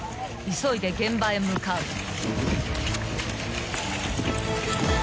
［急いで現場へ向かう］